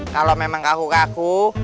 kalau memang kaku kaku